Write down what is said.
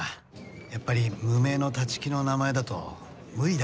やっぱり無名の立木の名前だと無理だって言うんだよ。